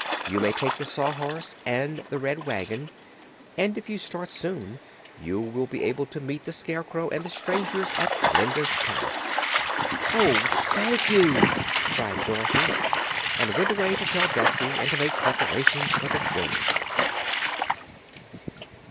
You may take the Sawhorse and the Red Wagon, and if you start soon you will be able to meet the Scarecrow and the strangers at Glinda's palace." "Oh, thank you!" cried Dorothy, and went away to tell Betsy and to make preparations for the journey.